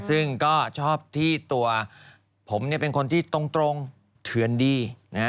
ซึ่งก็ชอบที่ตัวผมเนี่ยเป็นคนที่ตรงเถื่อนดีนะฮะ